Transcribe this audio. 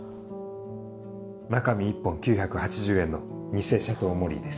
中身１本９８０円の偽シャトーモリーです。